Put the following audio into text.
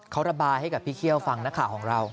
เขาระบายให้กับพี่เคี่ยวฟังนักข่าวของเรา